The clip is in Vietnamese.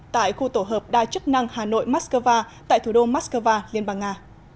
tại khu tổ hợp đa chức năng hà nội mắc cơ va tại thủ đô mắc cơ va liên bang nga